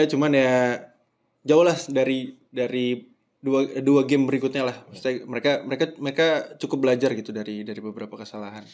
cuman ya jauh lah dari dua game berikutnya lah mereka cukup belajar gitu dari beberapa kesalahan